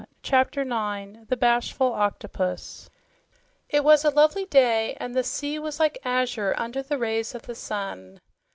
CHAPTER 9 THE BASHFUL OCTOPUS It was a lovely day, and the sea was like azure under the rays of the sun.